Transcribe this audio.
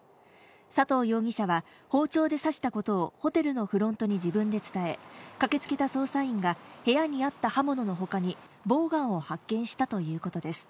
佐藤容疑者は、包丁で刺したことをホテルのフロントに自分で伝え、駆けつけた捜査員が、部屋にあった刃物のほかに、ボウガンを発見したということです。